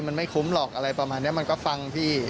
มันไม่คุ้มหรอกอะไรประมาณนี้มันก็ฟังพี่